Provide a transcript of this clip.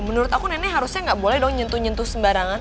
menurut aku nenek harusnya nggak boleh dong nyentuh nyentuh sembarangan